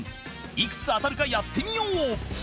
いくつ当たるかやってみよう